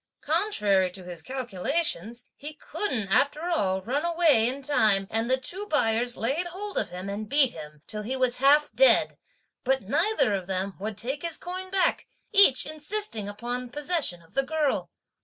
Contrary to his calculations, he couldn't after all run away in time, and the two buyers laid hold of him and beat him, till he was half dead; but neither of them would take his coin back, each insisting upon the possession of the girl.